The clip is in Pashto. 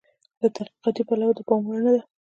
له تحقیقاتي پلوه د پام وړ نه ده.